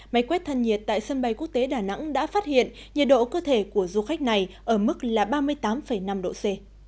máy quét thân nhiệt tại sân bay quốc tế đà nẵng đã phát hiện nhiệt độ cơ thể của du khách này ở mức là ba mươi tám năm độ c